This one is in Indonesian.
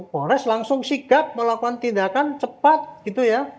polres langsung sigap melakukan tindakan cepat gitu ya